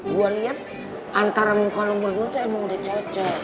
gue liat antara muka lo berdua tuh emang udah caca